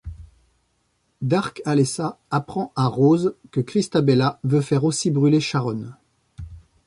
Dark Alessa apprend à Rose que Christabella veut faire aussi brûler Sharon.